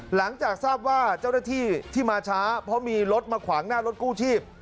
หลังจากทราบว่าเจ้าหน้าที่ที่มาช้าเพราะมีรถมาขวางหน้ารถกู้ชีพ